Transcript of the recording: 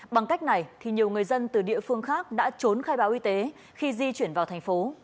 bằng cách này thì nhiều người dân từ địa phương khác đã trốn khai báo y tế khi di chuyển vào thành phố